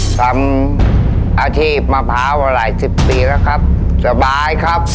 ทำอาชีพมะพร้าวมาหลายสิบปีแล้วครับสบายครับ